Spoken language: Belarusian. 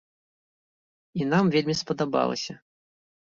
І нам вельмі спадабалася.